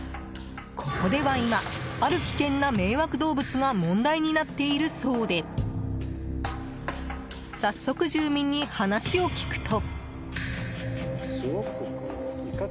ここでは今ある危険な迷惑動物が問題になっているそうで早速、住民に話を聞くと。